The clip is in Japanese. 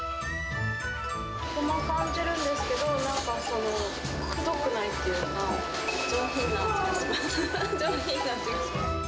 ゴマ感じるんですけど、なんかくどくないっていうか、上品な味がします。